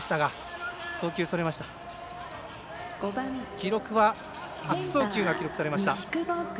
記録は悪送球が記録されました。